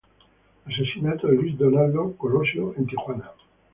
Asesinato de Luis Donaldo Colosio en Tijuana.